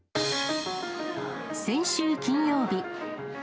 先週金曜日。